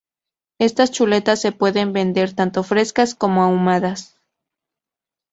Estas chuletas se pueden vender tanto frescas como ahumadas.